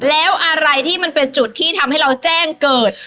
แล้วอะไรที่มันเป็นจุดที่ทำให้เราแจ้งเกิด